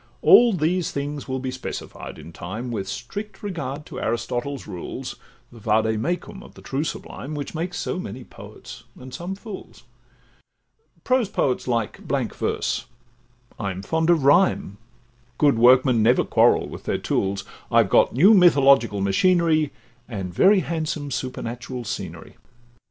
All these things will be specified in time, With strict regard to Aristotle's rules, The Vade Mecum of the true sublime, Which makes so many poets, and some fools: Prose poets like blank verse, I'm fond of rhyme, Good workmen never quarrel with their tools; I've got new mythological machinery, And very handsome supernatural scenery.